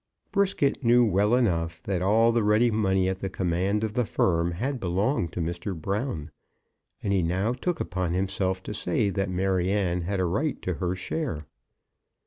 Brisket knew well enough that all the ready money at the command of the firm had belonged to Mr. Brown, and he now took upon himself to say that Maryanne had a right to her share.